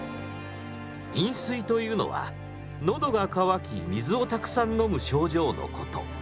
飲水というのはのどが渇き水をたくさん飲む症状のこと。